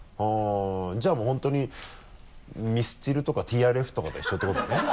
じゃあもう本当にミスチルとかＴＲＦとかと一緒ってことだね？